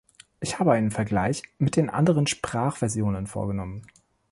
Ich habe einen Vergleich mit den anderen Sprachversionen vorgenommen.